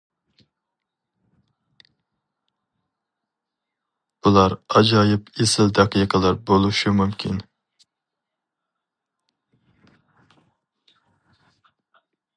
بۇلار ئاجايىپ ئېسىل دەقىقىلەر بولۇشى مۇمكىن.